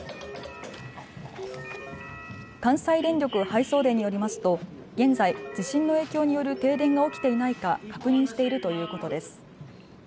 関西電力送配電によりますと現在、地震の影響による停電が起きていないか確認しているということです。